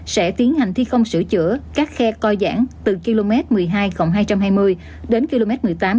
sẽ tiến hành thi công sửa chữa các khe coi giãn từ km một mươi hai hai trăm hai mươi đến km một mươi tám bốn trăm tám mươi